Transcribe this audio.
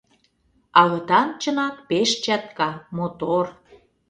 Агытан, чынак, пеш чатка, мотор.